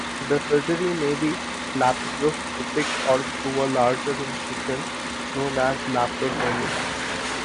The surgery may be laparoscopic or through a larger incision, known as a laparotomy.